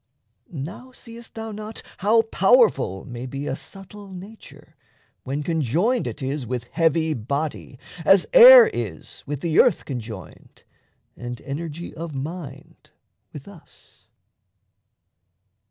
Now seest thou not how powerful may be A subtle nature, when conjoined it is With heavy body, as air is with the earth Conjoined, and energy of mind with us?